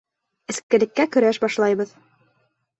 Эскелеккә көрәш башлайбыҙ.